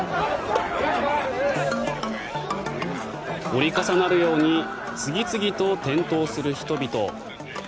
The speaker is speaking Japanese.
折り重なるように次々と転倒する人々。